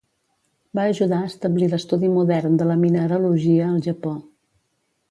Va ajudar a establir l'estudi modern de la mineralogia al Japó.